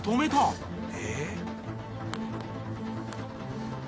えっ？